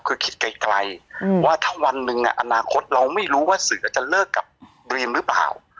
คือคิดไกลว่าถ้าวันหนึ่งอนาคตเราไม่รู้ว่าเสือจะเลิกกับดรีมหรือเปล่า